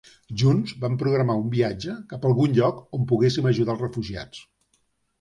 Junts vam programar un viatge cap algun lloc on poguéssim ajudar als refugiats.